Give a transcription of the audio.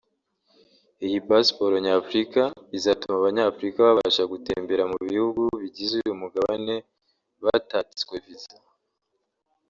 Iyi pasiporo Nyafurika izatuma Abanyafurika babasha gutembera mu bihugu bigize uyu mugabane batatswe visa